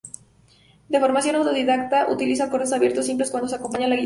De formación autodidacta, utiliza acordes abiertos simples cuando se acompaña a la guitarra.